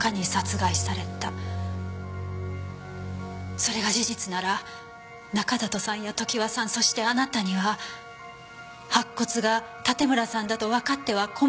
それが事実なら中里さんや常盤さんそしてあなたには白骨が盾村さんだとわかっては困る理由があった事になります。